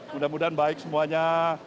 mudah mudahan baik semuanya